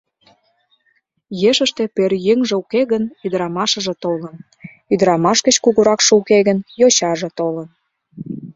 Ешыште пӧръеҥже уке гын, ӱдырамашыже толын; ӱдырамаш гыч кугуракше уке гын, йочаже толын.